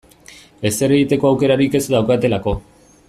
Ezer egiteko aukerarik ez daukatelako.